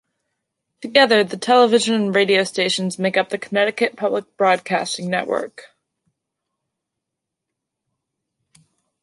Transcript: Together, the television and radio stations make up the Connecticut Public Broadcasting Network.